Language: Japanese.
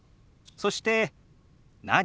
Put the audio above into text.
そして「何？」。